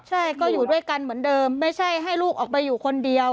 ใช่ก็อยู่ด้วยกันเหมือนเดิมไม่ใช่ให้ลูกออกไปอยู่คนเดียว